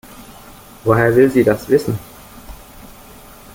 Woher will sie das wissen?